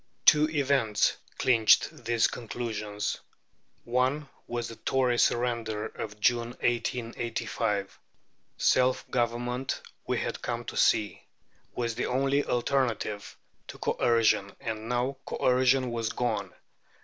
Two events clinched these conclusions. One was the Tory surrender of June, 1885. Self government, we had come to see, was the only alternative to Coercion, and now Coercion was gone.